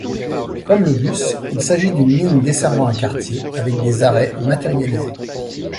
Comme le bus, il s’agit d’une ligne desservant un quartier, avec des arrêts matérialisés.